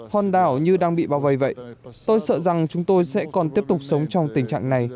hòn đảo như đang bị bao vây vậy tôi sợ rằng chúng tôi sẽ còn tiếp tục sống trong tình trạng này